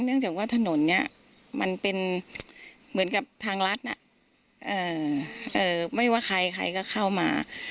เนื่องจากว่าถนนนี้มันเป็นเหมือนกับทางรัฐไม่ว่าใครใครก็เข้ามา